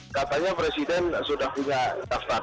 katanya presiden sudah punya daftar